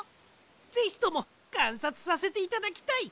ぜひともかんさつさせていただきたい。